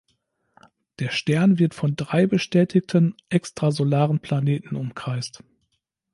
Der Stern wird von drei bestätigten extrasolaren Planeten umkreist.